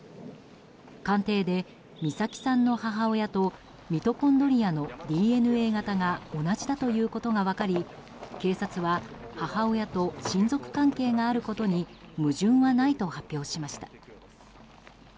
鑑定で美咲さんの母親とミトコンドリアのＤＮＡ型が同じだということが分かり警察は母親と親族関係があることに矛盾はないと発表しました。